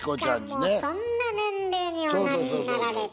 もうそんな年齢におなりになられて。